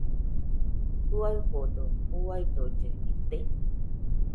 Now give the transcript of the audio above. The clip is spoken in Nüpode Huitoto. ¿Jɨaɨfodo uidolle ite?